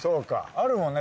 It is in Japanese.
あるもんね